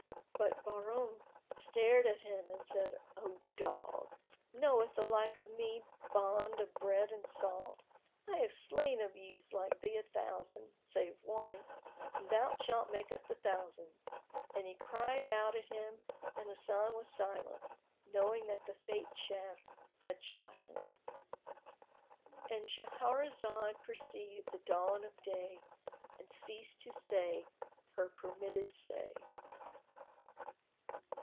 "[FN#25] But Bahram stared at him and replied, "O dog, knoweth the like of me bond of bread and salt? I have slain of youths like thee a thousand, save one, and thou shalt make up the thousand." And he cried out at him and Hasan was silent, knowing that the Fate shaft had shot him.—And Shahrazad perceived the dawn of day and ceased to say her permitted say.